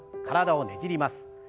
体をねじります。